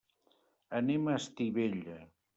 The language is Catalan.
Anem a Estivella.